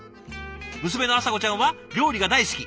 娘のアサコちゃんは料理が大好き。